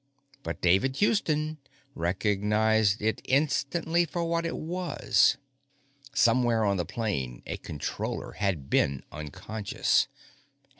But David Houston recognized it instantly for what it was. Somewhere on the plane, a Controller had been unconscious.